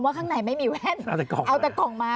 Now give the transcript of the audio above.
ข้างในไม่มีแว่นเอาแต่กล่องมา